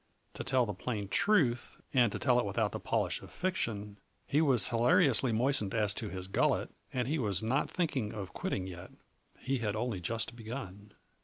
To tell the plain truth and tell it without the polish of fiction, he was hilariously moistened as to his gullet and he was not thinking of quitting yet; he had only just begun.